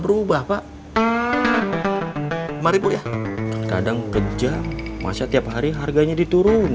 berubah pak mari pulang kadang kejam masa tiap hari harganya diturunin